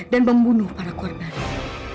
dan membunuh para korbannya